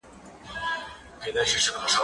زه د کتابتوننۍ سره مرسته کړې ده؟